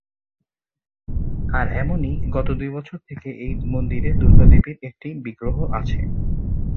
আর এমনি গত দুই বছর থেকে এই মন্দিরে দুর্গা দেবীর একটি বিগ্রহ আছে।